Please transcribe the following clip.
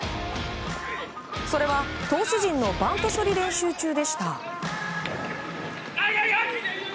それは、投手陣のバント処理練習中でした。